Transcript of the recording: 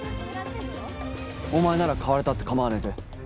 お前なら買われたって構わねえぜ。